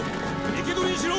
生け捕りにしろ！